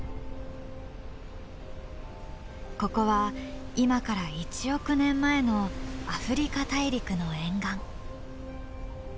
ここは今から１億年前のアフリカ大陸の沿岸。